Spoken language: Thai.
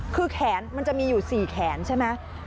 คือแขนมันจะมีอยู่๔แขนใช่ไหม